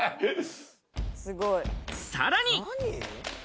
さらに。